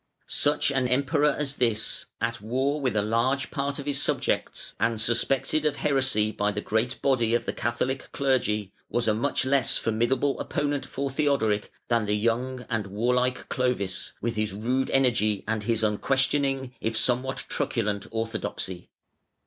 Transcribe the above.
[Footnote 104: The Imperial box.] Such an Emperor as this, at war with a large part of his subjects, and suspected of heresy by the great body of the Catholic clergy, was a much less formidable opponent for Theodoric than the young and warlike Clovis, with his rude energy, and his unquestioning if somewhat truculent orthodoxy.